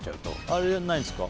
あれはやらないんですか。